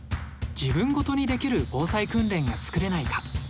自分ごとにできる防災訓練が作れないか？